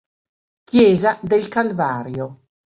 Chiesa del Calvario